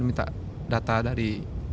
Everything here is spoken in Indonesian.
minta data dari